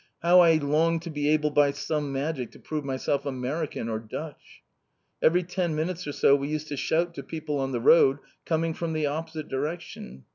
How I longed to be able by some magic to prove myself American or Dutch! Every ten minutes or so we used to shout to people on the road, coming from the opposite direction.